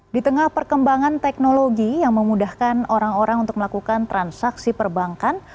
di tengah perkembangan teknologi yang memudahkan orang orang untuk melakukan transaksi perbankan